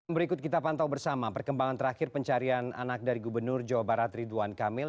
berikut kita pantau bersama perkembangan terakhir pencarian anak dari gubernur jawa barat ridwan kamil